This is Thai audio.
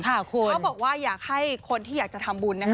เขาบอกว่าอยากให้คนที่อยากจะทำบุญนะคะ